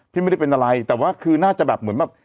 ไม่ได้เป็นอะไรแต่ว่าคือน่าจะแบบเหมือนแบบ